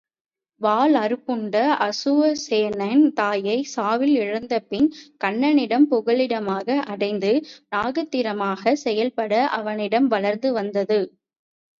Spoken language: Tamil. வால் அறுப்புண்ட அசுவசேனன் தாயைச் சாவில் இழந்தபின் கன்னனிடம் புகலிடமாக அடைந்து நாகாத்திரமாகச் செயல்பட அவனிடம் வளர்ந்து வந்தது.